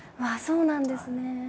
そうなんですね。